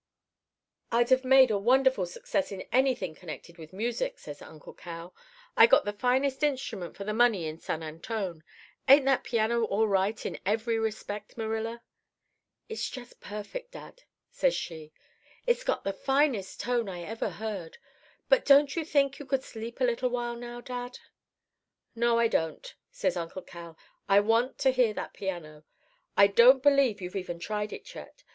"'I'd have made a wonderful success in anything connected with music,' says Uncle Cal. 'I got the finest instrument for the money in San Antone. Ain't that piano all right in every respect, Marilla?' "'It's just perfect, dad,' says she. 'It's got the finest tone I ever heard. But don't you think you could sleep a little while now, dad?' "'No, I don't,' says Uncle Cal. 'I want to hear that piano. I don't believe you've even tried it yet.